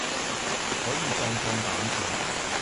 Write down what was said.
可以壯壯膽子。